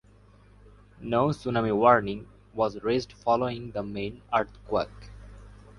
No tsunami warning was raised following the main earthquake.